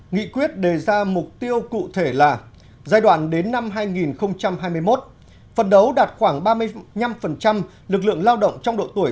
nghị quyết đề ra mục tiêu cụ thể là giai đoạn đến năm hai nghìn hai mươi một phần đấu đạt khoảng ba mươi năm lực lượng lao động trong độ tuổi